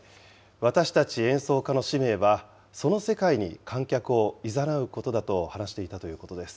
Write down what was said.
私たち演奏家の使命は、その世界に観客をいざなうことだと話していたということです。